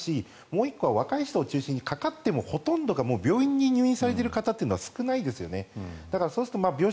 もう１個は若い人を中心にかかってもほとんどが病院に入院されている方は少ないですよね。